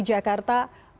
beberapa pasien ini